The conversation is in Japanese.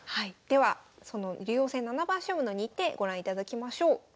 ではその竜王戦七番勝負の日程ご覧いただきましょう。